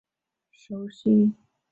姜市最为人熟悉的景点是圣陵。